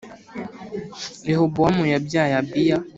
Rehobowamu yabyaye Abiya